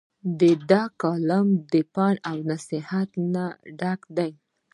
د دۀ کالم د پند او نصيحت نه ډک دے ۔